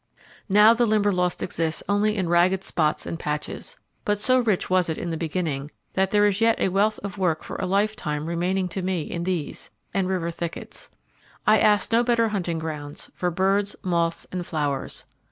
Now, the Limberlost exists only in ragged spots and patches, but so rich was it in the beginning that there is yet a wealth of work for a lifetime remaining to me in these, and river thickets. I ask no better hunting grounds for birds, moths, and flowers.